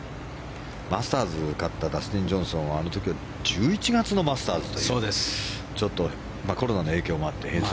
マスターズを勝ったダスティン・ジョンソンは１１月のマスターズでちょっとコロナの影響もあって。